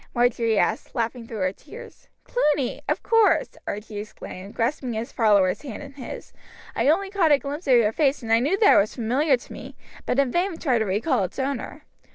Marjory asked, laughing through her tears. "Cluny! of course," Archie exclaimed, grasping his follower's hand in his. "I only caught a glimpse of your face and knew that it was familiar to me, but in vain tried to recall its owner.